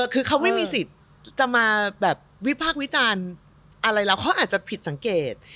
คือเขาไม่มีสิทธิ์จะมาแบบวิพากษ์วิจารณ์อะไรแล้วเขาอาจจะผิดสังเกต